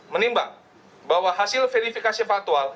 menimbang bahwa hasil verifikasi faktual